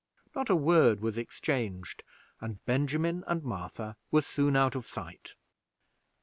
Not a word was exchanged, and Benjamin and Martha were soon out of sight.